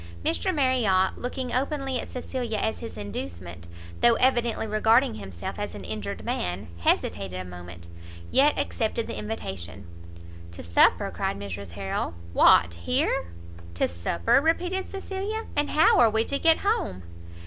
Mr Marriot, looking openly at Cecilia as his inducement, though evidently regarding himself as an injured man, hesitated a moment, yet accepted the invitation. "To supper?" cried Mrs Harrel, "what here?" "To supper?" repeated Cecilia, "and how are we to get home?"